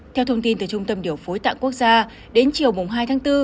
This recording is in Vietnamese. theo thông tin từ trung tâm điều phối tạng quốc gia đến chiều hai tháng bốn